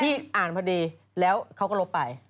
อ่านพอดีแล้วเขาก็ลบไป